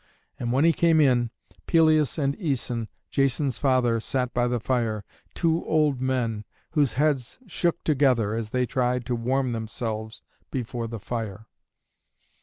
And when he came in, Pelias and Æson, Jason's father, sat by the fire, two old men, whose heads shook together as they tried to warm themselves before the fire.